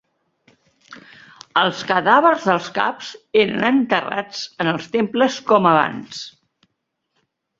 Els cadàvers dels caps eren enterrats en els temples com abans.